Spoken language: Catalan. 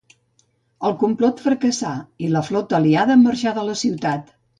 El complot fracassà i la flota aliada marxà de la ciutat.